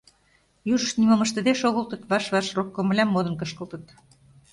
Южышт нимом ыштыде шогылтыт, ваш-ваш рок комылям модын кышкылтыт.